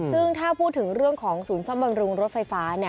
ซึ่งถ้าพูดถึงเรื่องของศูนย์ซ่อมบำรุงรถไฟฟ้า